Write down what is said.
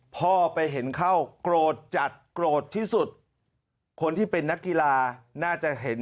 พ่อไปเห็นเข้าโกรธจัดโกรธที่สุดคนที่เป็นนักกีฬาน่าจะเห็น